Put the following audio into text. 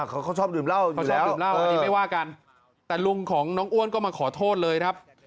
เขาชอบดื่มเหล้าเขาชอบดื่มเหล้าอันนี้ไม่ว่ากันแต่ลุงของน้องอ้วนก็มาขอโทษเลยครับ